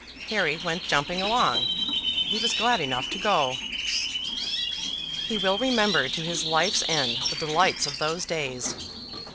Harry went jumping along; he was glad enough to go. He will remember to his life's end the delights of those days.